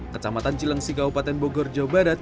kecamatan cilengsi kabupaten bogor jawa barat